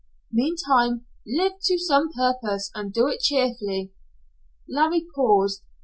Meantime, live to some purpose and do it cheerfully." Larry paused.